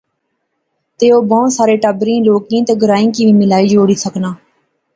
تہ او بہوں سارے ٹبریں، لوکیں تہ گرائیں کی وی ملائی جوڑی سکنا